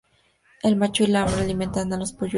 El macho y la hembra alimentan a los polluelos.